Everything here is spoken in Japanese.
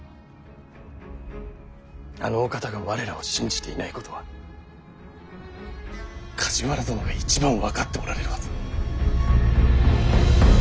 あのお方が我らを信じていないことは梶原殿が一番分かっておられるはず。